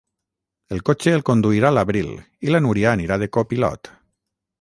El cotxe el conduirà l'Abril i la Núria anirà de co-pilot